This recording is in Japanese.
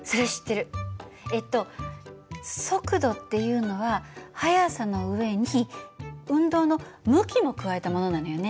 えっと速度っていうのは速さの上に運動の向きも加えたものなのよね。